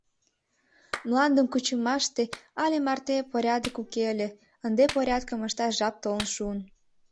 Мландым кучымаште але марте порядок уке ыле, ынде порядкым ышташ жап толын шуын.